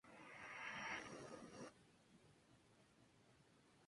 En el cabo hay una antigua fortaleza visitable y un faro.